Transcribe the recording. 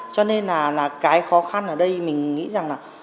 cho nên là cái khó khăn ở đây mình nghĩ rằng là